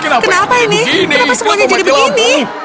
kenapa ini kenapa semuanya jadi begini